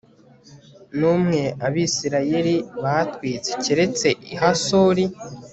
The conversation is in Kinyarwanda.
n umwe abisirayeli batwitse keretse i hasori